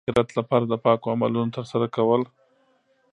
د اخرت لپاره د پاکو عملونو ترسره کول.